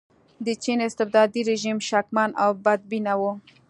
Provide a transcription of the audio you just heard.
د چین استبدادي رژیم شکمن او بدبینه و.